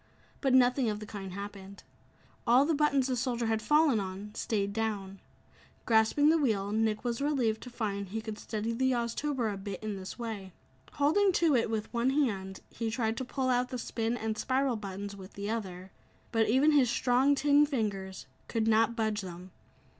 But nothing of the kind happened. All the buttons the soldier had fallen on stayed down. Grasping the wheel, Nick was relieved to find he could steady the Oztober a bit in this way. Holding to it with one hand, he tried to pull out the "spin" and "spiral" buttons with the other. But even his strong tin fingers could not budge them.